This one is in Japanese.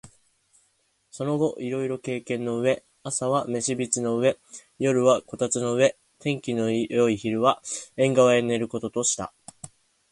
その後いろいろ経験の上、朝は飯櫃の上、夜は炬燵の上、天気のよい昼は縁側へ寝る事とした